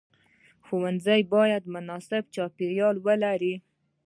ښوونځی باید مناسب چاپیریال ولري.